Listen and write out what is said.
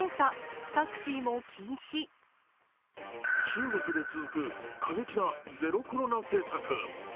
中国で続く過激なゼロコロナ政策。